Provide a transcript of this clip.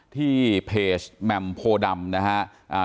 ที่เพจแหม่มโพดำนะฮะ